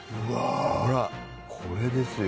ほらこれですよ。